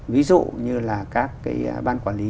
ví dụ như là các cái ban quản lý